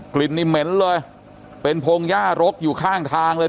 กลิ่นนี่เหม็นเลยเป็นพงหญ้ารกอยู่ข้างทางเลย